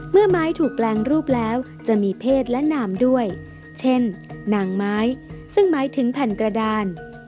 ไม้ถูกแปลงรูปแล้วจะมีเพศและนามด้วยเช่นนางไม้ซึ่งหมายถึงแผ่นกระดาน